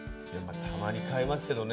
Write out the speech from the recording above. たまに買いますけどね